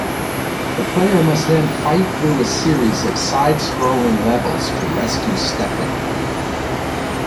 The player must then fight through a series of side-scrolling levels to rescue Stephanie.